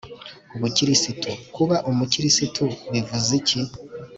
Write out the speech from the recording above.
ubukristu/ kuba umukristu bivuze iki?